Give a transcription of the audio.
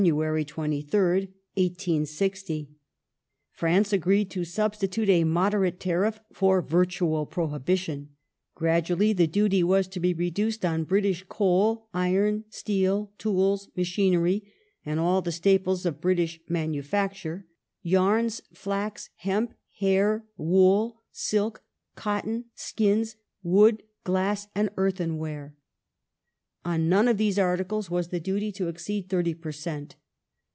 23rd, 1860). France agreed to substitute a moderate tariff for virtual prohibition : gradually the duty was to be reduced on British coal, iron, steel, tools, machinery, and all the staples of British manufacture : yarns, flax, hemp, hair, wool, silk, cotton, skins, wood, glass, and earthenware. On none of these articles was the duty to exceed 30 per cent.